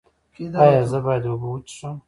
ایا زه باید اوبه وڅښم؟